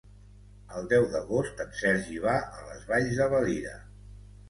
El deu d'agost en Sergi va a les Valls de Valira.